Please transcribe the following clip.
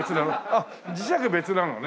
あっ磁石別なのね。